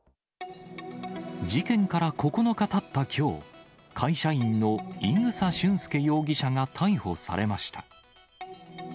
事件から９日たったきょう、会社員の伊草俊輔容疑者が逮捕されました。